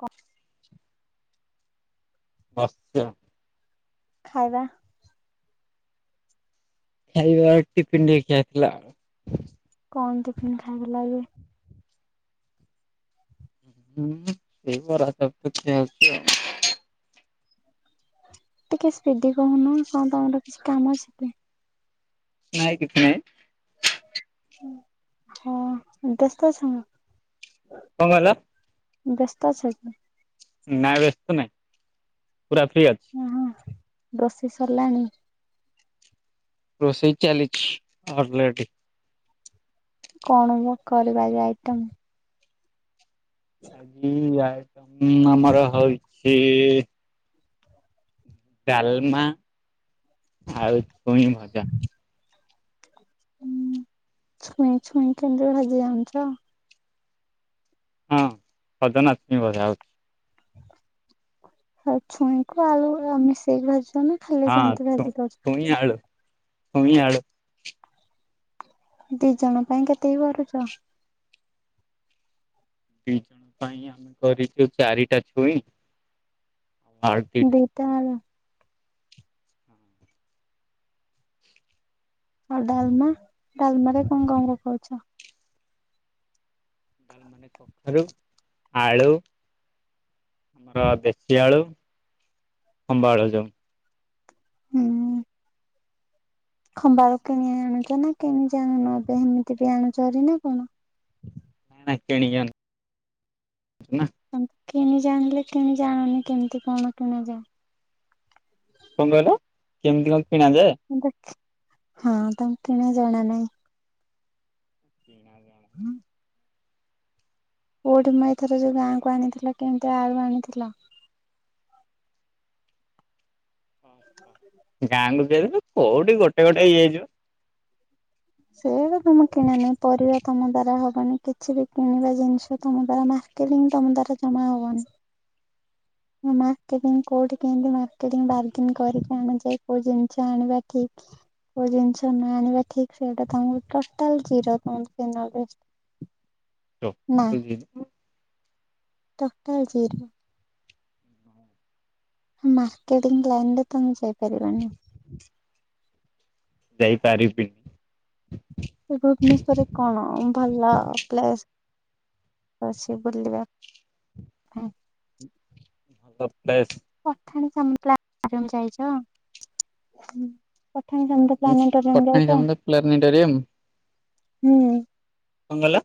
କ। [inaudible] ଆଚ୍ଛା। ଖାଇବା। ଖାଇବା ଟିଫିନ ଟିଏ ଖିଆ ହେଇଥିଲା। କଣ ଟିଫିନ୍ ଖାଇଥିଲ ଆଜି? ହୁଁ ସେଇ ବରା ଚୋପ [unintelligible] ଖିଆ ହେଇଥିଲା ଟିକେ ସ୍ପିଡି କହୁନୁ କଣ ତମର କିଛି କାମ ଅଛି କି? ନାଇଁ କିଛି ନାଇଁ। ହଁ ବ୍ୟସ୍ତ ଅଛନ୍ତି କି? କଣ କହିଲ ବ୍ୟସ୍ତ ଅଛ କି? ନାଇଁ ବ୍ୟସ୍ତ ନାଇଁ। ପୁରା ଫ୍ରି ଅଛି। ରୋଷ ସରିଲାଣି? ରୋଷେଇ ଚାଲିଛି ଅଲରେଡି। କଣ ମୁଁ କରିପାରିବା ଆଇଟମ? ଆଜି ଆ- ଆମର ହଉଛି- ଡାଲମା ଆଉ- କ ଭଜା- ହଁ [inaudible] ଛୁଇଁଛୁଇ କେ ଭଜି ଯଛ- ହଁ ପଦନାତମୀ ବଜା ହଉଛି- ଆ ଛୁଇଁକୁ ଆଳୁ ଆମେ ଶ ଭୁ- ନା ଖାଲି ସେମିତି ଭାବି ତର ହଇ ଆଡ ଦି ଜଣ ପାଇଁ କେତେ ହେଇ ପାରୁଛ ଦି ଜଣ ପାଇଁ ଆମେ କରିଛୁ ଚାରିଟା ଛୁଇ ଦେଇଟ ଆଉ ଡାଲମା ଡାଲମା ରେ କଣ କଣ କ କହୁଛ ଲ ମାନେ କଖାରୁ ଆଳୁ ଆମର ଦେଶୀ ଆଳୁ ଅମ୍ବ ଆଳୁ ଯୋଉ ହୁଁ ଖମ୍ବାଳ କିଣି ଆଣୁଛ ନା କିଣି ଆଣୁନ ଏବେ ସେମିତି ବି ଆଣୁଛରି ନା କଣ କିଣିନ। ହେ ନା। ତାଙ୍କୁ କିଣି ଜାଣିଲେ କିଣି ଜାଣୁନି କେମିତି କଣ କିଣା ଯାଏ। କଣ କହିଲ କେମିତି କଣ ପଣ ଯେ ହଁ ତାଙ୍କୁ କେମ ଜଣା ନାହିଁ [inaudible] ହୁଁ। କଉଠି ମାଇ ଥର ଯୋଉ ଗାଁକୁ ଆଣିଥିଲ କେମିତି ଆଗକୁ ଆଣିଥିଲ [inaudible] ଗାଁକୁ ଯୁ କୋଉଠି ଗୋଟେ ଗୋଟେ ହେଇଯାଇଯିବ ସେଇଟା ତମେ କିଣ ନାହିଁ ପରିବା ତମ ଦ୍ଵାରା ହ ହବନି କିଛି ବି କିଣିବା ଜିନିଷ ତମ ଦ୍ଵାରା ମାର୍କେଂ ତମ ଦ୍ଵାରା ଜମା ହବନି। ମାର୍କେଂ କୋଉଠି କେମତି ମକେ ବାର୍ଗେନ୍ କରିକି ଆଣଯାଏ କୋଉ ଜିନିଷ ଆଣିବା ଠିକ କୋଉ ଜିନିଷ ନ ଆଣିବା ଠିକ ସେଇଟା ତାଙ୍କୁ ଟୋଟାଲ କ୍ଷର ଦ ନବେଷ୍ଟ ଚ [inaudible] ମାର୍କେଟିଂ ଲଣ୍ଡ ତ ସେ କରିିବନି। ଯାଇପାରିବିନି। ଭୁବନେଶ୍ଵରରେ ଅ ସେ ବୁଲିବା ମ୍ ପଠାଣି ଯାଇଛ ପଠାଣି ସାମନ୍ତ ପ୍ଲାନେଟୋରିୟମ ପଠାଣି ଯାଇଛ? ସାମନ୍ତ ପ୍ଲାନେଟରିୟମ ହୁଁ। କଙ୍ଗଲା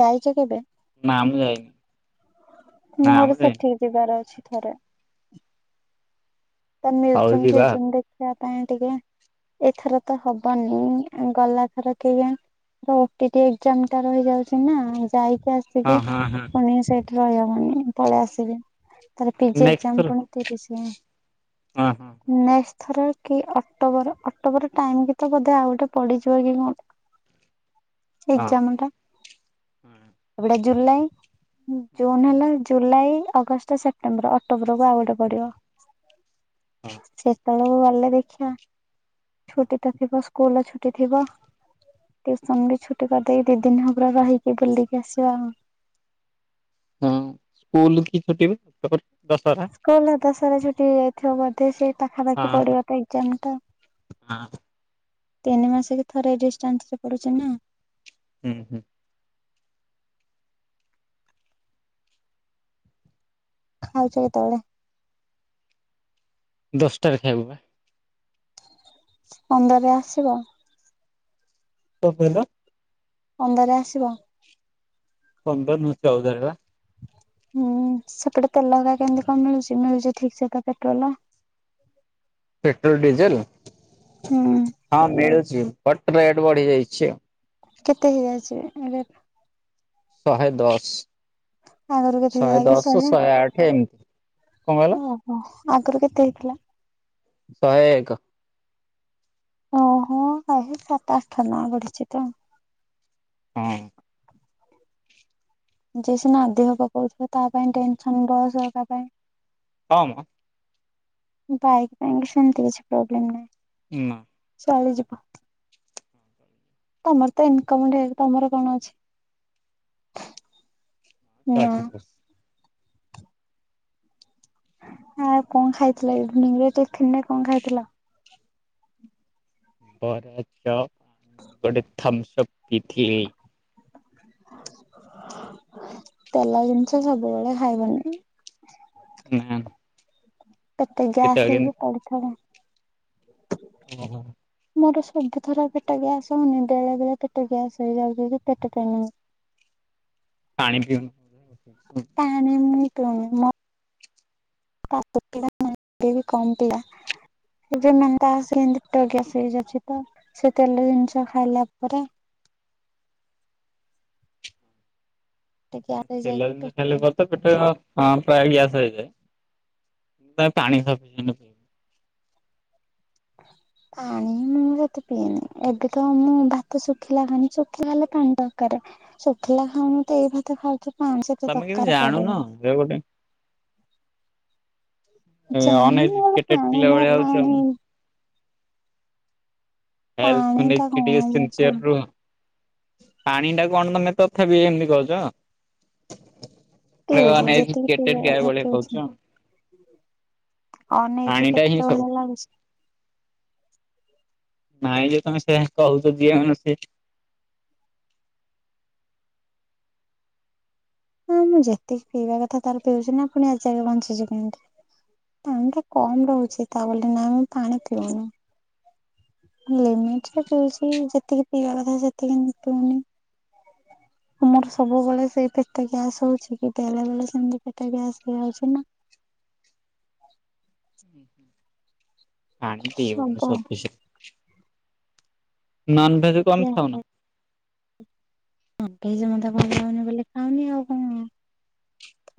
ଯାଇଛ କେବେ? ନା ମୁ ଯାଇନି। ନା ମୁଁ ମୋର ଯାଇନି ସେଠିକି ଯିବାର ଅଛି। ଥରେ ତା ହଉ ମ୍ୟୁଜୀୟମ ଯିବା ଫ୍ୟୁଜୀୟମ୍ ଦେଖିବା ପାଇଁ ଟିକେ ଏଥର ତ ହବନି ଗଲାଥର କେ ଓ ଟି ଇ ଟି ଏକ୍ସାମ ଟା ରହିଯାଉଛି ନା ଯାଇ ହଁ ଆସିକି ହଁ ହଁ ପୁଣି ସେଇଠି ରହିହବନି ମୁଁ ପଳେଇ ଆସିବି। ଥରେ ପି-ଜି ନେକ୍ସଟ ଏକ୍ସାମ୍ ଥର ପୁଣି ତିରିଶ ରେ ହଁ ହଁ ନେସ ଥର କି ଅକ୍ଟୋବର ଅକ୍ଟୋବର ଟାଇମ କି ତ ବୋଧେ ଆଉ ଗୋଟେ ପଡିଯିବ କି କଣ। ହଁ ଏକ୍ସାମ୍ ହଁ ଟା ଜୁଲାଇ ଜୁନ୍ ହେଲା ଜୁଲାଇ ଅଗଷ୍ଟ ସେପ୍ଟେମ୍ବର ଅକ୍ଟୋବରକୁ ଆଉ ଗୋଟେ ପଡିବ। ସେ ତଳକୁ ଗଲେ ଦେଖିବା। ଛୁଟି ତ ଥିବ ସ୍କୁଲ ଛୁଟି। ଛୁଟି ତ ଥିବ ଟିଉସନ ବି ଛୁଟି କରିଦେଇକି ଦି ଦିନ ହେବ ରହିକି ବୁଲିକି ଆସିବା ଆଉ। ହଁ ସ୍କୁଲ କି ଛୁଟି ବେ ତୋର କି? ଦଶହରା। ସ ଦଶହରେ ଛୁଟି ହେଇଯାଇଥିବ ବୋଧେ ସେ ପାଖାପାଖି ପଡିବ ତ ଏକ୍ଜାମ ଟା। ନା ତିନି ମାସ କି ଥରେ ଡିଷ୍ଟାନ୍ସ ରେ ପଡୁଛି ନା। ହୁଁ ହୁଁ ଖାଉଛ କେତେବେଳେ? ଦଶଟାରେ ଖାଇବୁ ପା। ପନ୍ଦରରେ ଆସିବ। କଣ କହିଲ? ପନ୍ଦରରେ ଆସିବ? ପନ୍ଦର ନୁହ ଚଉଦାରେ ପା। ହୁଁ ସେପଟେ ତେଲ ଗୁରା କେମତି କଣ ମିଳୁଛି ମିଳୁଛି ଠିକ ସେ ତ ପେଟ୍ରୋଲ? Petrol diesel. ହୁଁ। ହଁ ମିଳୁଛି। ବଟ ରେଟ ବଢି ଯାଇଛି ଆଉ। କେତେ ହେଇଯାଇଛି ଏବେ? ଶହେ ଦଶ। ଆଗରୁ କେତେ ଶହେ ହେଇଥିଲା କି ଦଶ ଶହେ ଆଠ ଏମିତି କଣ କହିଲ। ଓହୋ ଆଗରୁ କେତେ ହେଇଥିଲା। ସହେ ଏକ ଓହୋ ଭ ସାତ ଆଠ ନା ବଡିିଛି ତ। ହଁ ଯ ସିନା ଆଦ ହବ କହୁିବ ତା ପାଇଁ ଟେନସନସ୍ ହେବା ପାଇଁ ହମ ବାଇକ ପାଇଁ ସେମିତି କିଛି ପ୍ରୋବ୍ଲେମ୍ ନାହିଁ। ନା। ଚଳିଯିବ [inaudible] ତମର ତ ଇନକମ ତମର କଣ ଅଛି? [inaudible] ନା [unintelligible] ହ କଣ ଖାଇଥିଲ ଇଭିନିଙ୍ଗରେ [unintelligible] କଣ ଖାଇଥିଲା? ବରା ଚ। ଗୋଟେ ଥମସପ୍ ପିଇଥିଲି [inaudible] ତେଲ ଜିନିଷ ସବୁବେଳେ ଖାଇବନି। ନାଁ। କେତେ ଗ୍ୟାସ ହେଇକି ପଡିଥିବ? [inaudible] ଓହୋ। ମୋର ସବୁଥର ପେଟ ଗ୍ୟାସ [unintelligible] ବେଳେ ବେଳେ ପେଟ ଗ୍ୟାସ ହେଇଯାଉଛି କି ପେଟ ଟ ନ ପାଣି। [unintelligible] ତମ ତା [unintelligible] ପେଟ ଗ୍ୟାସ ହେଇଯାଉଛି ତ ସେ ତେଲ ଜିନିଷ ଖାଇଲା ପରେ ପେଟ ଗ୍ୟାସ ତେଲ ହେଇଯାଇକି ଜିନିଷ ପେଟ ଖାଇଲେ ପେନ୍ ତ ପେଟ ହଁ ପ୍ରାୟ ଗ୍ୟାସ ହେ [inaudible] ପାଣି ସ [unintelligible] ଏବେ ତ ମୁଁ ଭାତ ଶୁଖିଲା ଖାାନି ଶୁଖିଲା ହେଲେ ପାଣି ଦରକାର ଶୁଖିଲା ଖାଉନି ତ ଏଇ ଭାତ ଖାଉ ତମେ କେଏନ୍ତି ଜାଣୁନ ଗୋଟେ ଜାଣିନି ଗୋଟେ ଅନଏଯୁକେଟେ ପାଣି ପିଲା ନା ଭଳିଆ ହୋଉଚ। ପାଣି ହେଲଥ ପାଣି ଟା [unintelligible] କଣ ମୁଁ ସିନିସିୟର୍ ପାଣି ରୁହ ପାଣିଟା କଣ ତମେ ତଥାପି ଏମିତି କହୁଚ। ପିଉଛି ନାଇ ଯେତିକି ପିଇବା କଥା [unintelligible] କୋହୁଚ। ଅନେଇଚୁ [unintelligible] ହିଁ ସବୁ ଭଳିଆ ଲାଗୁ। [inaudible] ନାଇଁ ଯେ ତମେ ସେ କହୁଛ ଯିଏ ସେ [inaudible] ହଁ ମୁଁ ଯେତିକି ପିଇବା କଥା ତଲେ ପିଉଚି, ନା ପୁଣି ଆଜି ଆଗେ ବଞ୍ଚିଚି କେମିତି, ପାଣିଟା କମ ରହୁଚି ତା ବୋଲି ନା ମୁଁ ପାଣି ପିଉନି। ଲିମିଟ ରେ ପିଉଚି ଯେତିକି ପିଇବା କଥା ସେତିକି ପିଉନି [inaudible] ଆମର ସବୁବେଳେ ସେଇ ପେଟ ଗ୍ୟାସ ହେଉଚି କି ବେଳେ ବେଳେ ସେମିତି ପେଟ ଗ୍ୟାସ ହେଇଯାଉଚି ନା। [inaudible] [unintelligible] ସବୁ ସପିସେଣ୍ଟ। ନନଭେଜ କଣ ପାଇଁ ଖାଉନ? ଏଇ ଯେ ମତେ ଭଲ ଲାଗୁନି ବୋଲି ଖାଉନି, ଆଉ କଣ?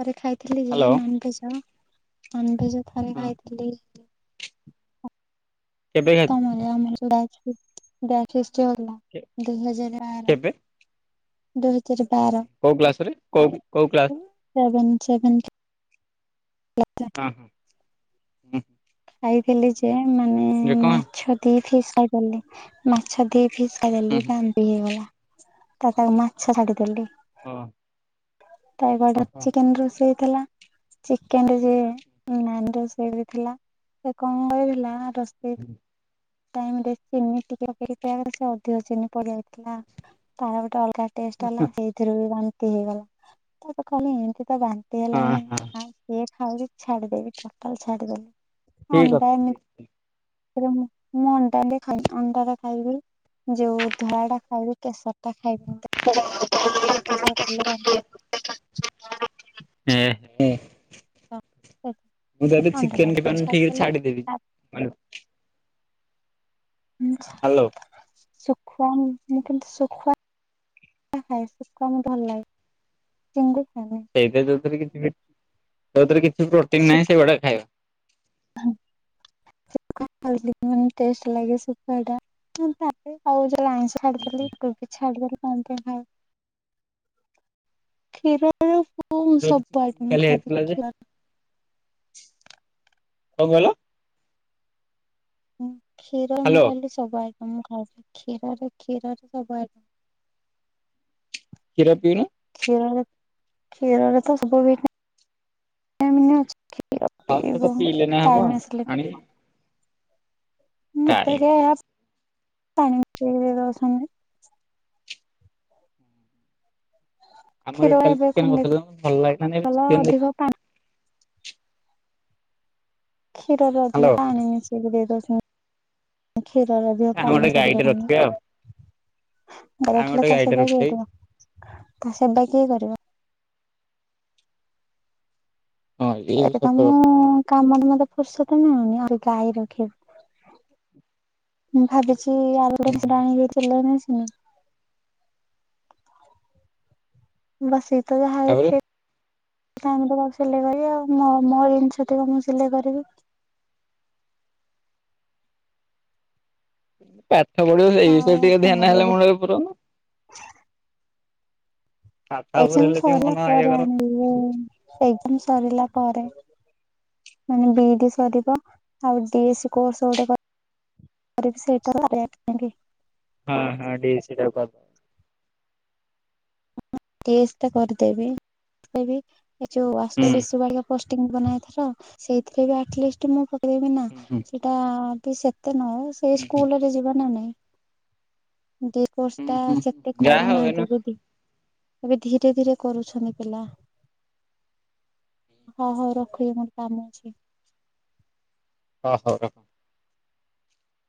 ପରେ ଖାଇଥିଲି ଯେ ହ୍ୟାଲୋ ନନଭେଜ ଅନ୍। ଏଇ ଯୋଉ ଥରେ ହଁ ଖାଇଥିଲି। [inaudible] କେବେ ଖାଇଥିଲ? ତମରି ଆମରି ଚୁଡ଼ା ବ୍ୟାଚ ଫିଷ୍ଟ ଜଗନ୍ନାଥ ଦୁଇହଜାର ବାର କେବେ ଦୁଇ ହ ଜାର ବାର କୋଉ କ୍ଲାସ ରେ କୋଉ କୋଉ କ୍ଲାସ? ସେଭେନ୍ ସେଭେନ କ୍ ହଁ ହୁଁ ଖାଇଥିଲି ଯେ ମାନେ ଯେ କଣ ମାଛ ଦିଇ ପିସ ଖାଇପରିଲି ମାଛ ଦିଇ ଫିସ୍ ହୁଁ ଖାଇଦେଲି ବାନ୍ତି ହେଇଗଲା। ତ ତାକୁ ମାଛ ଛାଡିଦେଲି ହଁ ତାଇ ପଇଡ଼ ଓହୋ ହଁ ଚିକେନ ରୋଷେଇ ଥିଲା ଚିକେନ ଯେ ନନଭେଜ୍ ଡେ ବି ଥିଲା ସେ କଣ ହେଇଥିଲା। ରୋଷେଇ ଟାଇମ୍ ରେ ଚିନି ଟିକେ ପକେଇକି ପିଇବା କଥା ସେ ଅଧିକ ଚିନି ପଡିଯାଇଥିଲା ତାର ଗୋଟେ ଅ ତା ଟେଷ୍ଟ ଅଲଗା ସେଇଥିରୁ ବି ନ୍ତି ହେଇଗଲା। ତାପ ଖାଲି ଏମିତି ତା ବାନ୍ତି ହେଲାନି ହଁ ଆଉ କିଏ ଖାଉଛି। ଛାଡ଼ିଦେବି ଟୋଟାଲ ଛାଡ଼ିଦେବି ଠିକ ଅଛି। ମୁଁ ଅଣ୍ଡା ହେଲେ ଖାଏ ଅଣ୍ଡାଟା ଖାଇବି ଯୋଉ ଧଳାଟା ଖାଇବି କେଶରଟା ଖାଇବିନି [inaudible] କେଶର ଖାଇଲେ ବାନ୍ତି [unintelligible] ହେଇଯିବ। ମୁଁ ତ ଆଜି ଅଣ୍ଡାଟାକୁ ଚିକେନ ବି ଦୋକାନ ଟିକେ ଛାଡିଦେଲି। ଛାଡିଦେବି ତା ହାଲୋ ଶୁ ଖୁ ମୁଁ କିନ୍ତୁ ଶୁଖ ଖାଇ ଶୁଖ ମୁ ଭଲ ଲାଗେ ଚିଙ୍ଗୁ ସେଇଟ ଯଉଥିରେ କି? ତତରେ କି? କି ପ୍ରୋଟିନ ନାହିଁ ସେଇଗୁଡା ଖାଇବା ଥିଲ ମେ ଲାଗେ ଶୁଖ ଟା ଖ ଛାଡ଼ିଦେଲି କୋବି ଛାଡ଼ିଦେଲି କ୍ଷୀରର ହ ଯୋଉଠି ସବୁ ଚିକେନ ଆଦିନ କାଲି ଖାଇ ହେଇଥିଲା ଯେ ଦେଖିଆ କଣ କହିଲ। ହୁଁ। କ୍ଷୀରରେ ମୁଁ ହ୍ୟାଲୋ କହିଲି ସବୁ ଆ ତମ ଖାଉ କ୍ଷୀରରେ କ୍ଷୀରରେ ସବୁ ହେଲା ଖୀର ପିନୁ କ୍ଷୀରରେ ତ ସବୁ ଅ ହଉ ସେ ତ ପିଇଲେ ନା ହେବ ଆ ମୁଁତେ କେ ପାଣି ଦସେ ଆମର କ୍ଷୀର ଏଠି କାଲି ଏବେ କଣ ଚିକେନ କଥା ଭଲ ଲାଗେ ଦେଖଲା ଚେ ଅଧିକ ପାଣି କ୍ଷୀରରେ ଅଧିକ ହ୍ୟାଲୋ ପାଣି ନେଇଶ ଦେଖ ଦେ ତ କ୍ଷୀରର ଦ ଆମେ ଗୋଟେ ପାଣି ସେଠ ଗାଈଟେ ଦନ୍ତ ରଖିବା ଆଉ। ଆମେ ରଖିଲେ ଗୋଟେ ତା ଗାଈଟେ ସେବା ରଖିବା କି କିଏ ତା ସେବା କିଏ କରିବ। ହଁ ଏଇ ଏବେ ତ ସତ କଥା ମୁଁ କାମରେ ମତେ ଫୁର୍ସ ନୁନି ଗାଈ ରଖେ ମୁଁ ଭା କି ହୁଁ। ଆଣି ଦେଇ ନା ବସ ଏଇ ତ ଯାହା ତାପରେ ସେ ସ କରିବି ଆଉ ମୋ ଜିନଷକୁ ମୁଁ ସିଲ କରିବି। ପା ଏଇ ବିଷୟରେ ଆଉ ଟିକେ କଣ ଧ୍ୟାନ କରିବି ହେଲେ ଏବେ ମୂଳ ପୁର ଏଜାମ ସରିଲା ମନ ଇଏ ପରେ କର ଆଣିଲି ଏଜାମ ସରିଲା ପରେ ମାନେ ବି ଡି ସରିବ ଆଉ ଡି ଏ ସ କୋର୍ସ ଗୋଟେ ସେଇଟା କଁ ହଁ ହଁ ଡି ସଟ ଚେଷ୍ଟା କରିଦେବି। ଏ ଆ ହୁଁ ଶିଶୁ ବାଆ ପ ଫିନ୍ ବନା ହେଇଥିଲା ସେଇଥିରେ ବି ଆଟଲିଷ୍ଟ ମୁଁ ନା ହୁଁ ହୁଁ ସେଟା ବି ସେତ କେତେ ନହ ସେଇ ସ୍କୁଲ ରେ ଯିବ ନା ନାଇଁ। ଦି ବସ୍ତା ହୁଁ ସେଥି ହୁଁ ଯାହା ହଉ ଏଇନୁ କରୁନାହାନ୍ତି ଯଦି। ଏବେ ଧୀରେ ଧୀରେ କରୁଛନ୍ତି ପିଲା ହଁ ହଉ ରଖିବେ ମୋର କାମ ଅଛି। ହୋଉ ରହ